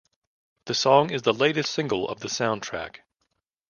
The song is the latest single of the soundtrack.